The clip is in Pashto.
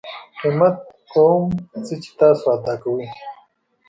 قیمت کوم څه چې تاسو ادا کوئ